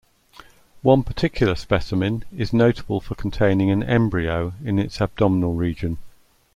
One particular specimen is notable for containing an embryo in its abdominal region.